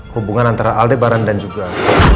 hubungan antara aldebaran dan juga